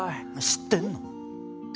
知ってんの？